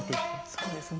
そうですね。